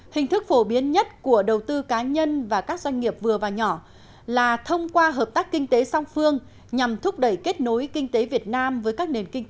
hình thức phổ biến nhất của đầu tư cá nhân và các doanh nghiệp vừa và nhỏ là thông qua hợp tác kinh tế song phương nhằm thúc đẩy kết nối kinh tế việt nam với các nền kinh tế